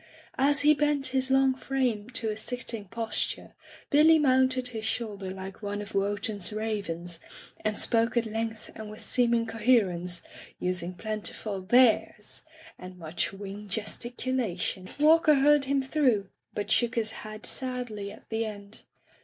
As he bent his long frame to a sitting posture, Billy mounted his shoulder like one of Wotan's ravens, and spoke at length and with seem ing coherence, using plentiful "There's" and much wing gesticulation. Walker heard him through, but shook his head sadly at the end.